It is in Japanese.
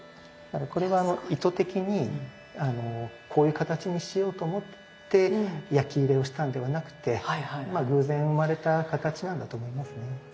これは意図的にこういう形にしようと思って焼き入れをしたんではなくてまあ偶然生まれた形なんだと思いますね。